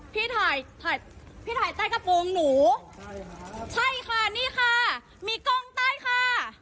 พี่ถ่ายใต้กระโปรงหนูใช่ค่ะนี่ค่ะมีกล้องใต้ค่ะ